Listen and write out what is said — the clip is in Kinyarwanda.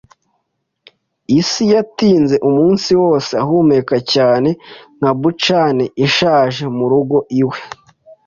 isi. Yatinze umunsi wose, ahumeka cyane nka buccaneer ishaje murugo iwe